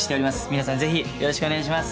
皆さんぜひよろしくお願いします。